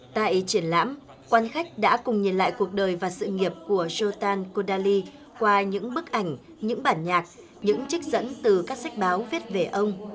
tại triển lãm quan khách đã cùng nhìn lại cuộc đời và sự nghiệp của jotan kudali qua những bức ảnh những bản nhạc những trích dẫn từ các sách báo viết về ông